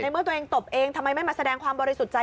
เมื่อตัวเองตบเองทำไมไม่มาแสดงความบริสุทธิ์ใจ